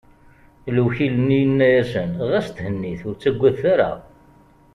Lewkil-nni yenna-asen: Ɣas thennit, ur ttagadet ara!